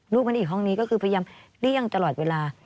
มันอีกห้องนี้ก็คือพยายามเลี่ยงตลอดเวลา